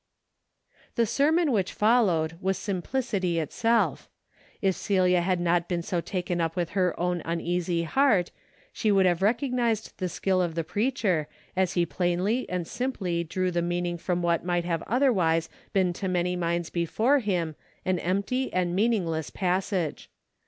The sermon which followed was simplicity itself. If Celia had not been so taken up with her own uneasy heart, she would have recog nized the skill of the preacher, as he plainly and simply drew the meaning from what might have otherwise been to many minds before him an empty and meaningless passage.